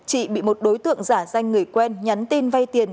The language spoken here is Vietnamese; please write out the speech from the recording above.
chị bị một đối tượng giả danh người quen nhắn tin vay tiền